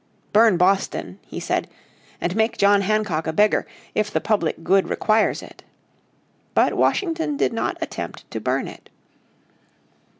"Burn Boston," he said," and make John Hancock a beggar, if the public good requires it." But Washington did not attempt to burn it.